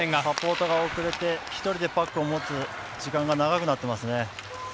サポートが遅れて１人でパックを持つ時間帯が長くなってますね。